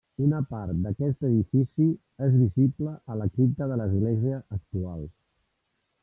Una part d'aquest edifici és visible a la cripta de l'església actual.